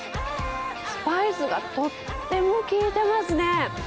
スパイスがとっても効いてますね。